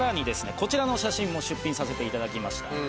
こちらの写真も出品させていただきました。